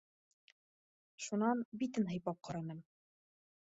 Шунан битен һыйпап ҡараным.